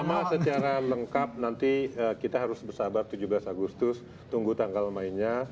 sama secara lengkap nanti kita harus bersabar tujuh belas agustus tunggu tanggal mainnya